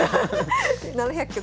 ７００局。